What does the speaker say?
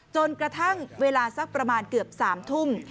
จนกระทั่งเวลาสักประมาณเกือบ๓ทุ่ม